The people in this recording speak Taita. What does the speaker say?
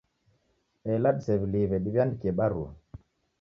Ela disew'iliw'e, diw'iandikie barua